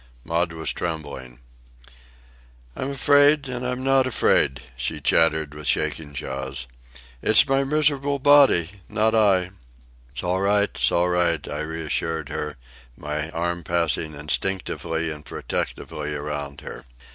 Maud was trembling. "I'm afraid, and I'm not afraid," she chattered with shaking jaws. "It's my miserable body, not I." "It's all right, it's all right," I reassured her, my arm passing instinctively and protectingly around her.